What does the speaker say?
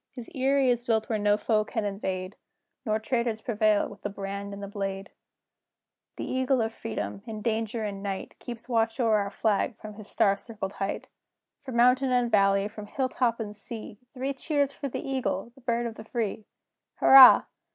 His eyrie is built where no foe can invade, Nor traitors prevail with the brand and the blade! CHORUS. The Eagle of Freedom, in danger and night, Keeps watch o'er our flag from his star circled height. From mountain and valley, from hill top and sea, Three cheers for the Eagle, the Bird of the Free! Hurrah!